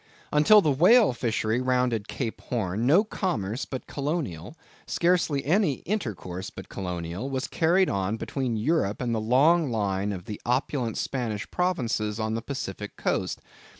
Until the whale fishery rounded Cape Horn, no commerce but colonial, scarcely any intercourse but colonial, was carried on between Europe and the long line of the opulent Spanish provinces on the Pacific coast.